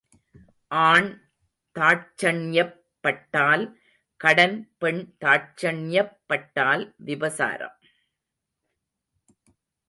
ஆண் தாட்சண்யப் பட்டால் கடன் பெண் தாட்சண்யப் பட்டால் விபசாரம்.